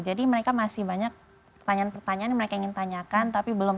jadi mereka masih banyak pertanyaan pertanyaan yang mereka ingin tanyakan tapi belum